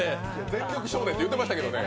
「全力少年」って言ってましたけどね。